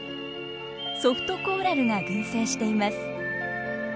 ソフトコーラルが群生しています。